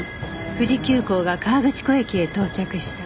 富士急行が河口湖駅へ到着した